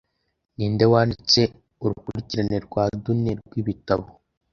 Ninde wanditse urukurikirane rwa Dune rwibitabo